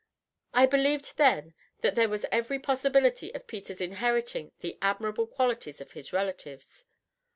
I believed then that there was every possibility of Peter's inheriting the admirable qualities of his relatives.